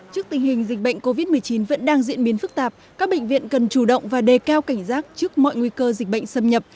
trước tình hình dịch bệnh covid một mươi chín vẫn đang diễn biến phức tạp các bệnh viện cần chủ động và đề cao cảnh giác trước mọi nguy cơ dịch bệnh xâm nhập